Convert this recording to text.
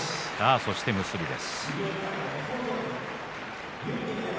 そして結びです。